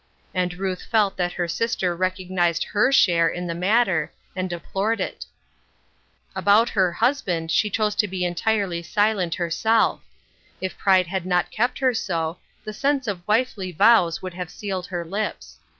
And Ruth felt that her sister recognized her share in the matter and de plored it. About her husband she chose to be entirely silent herself. If pride had not kept her so, the sense of wifely vows would have sealed her lips.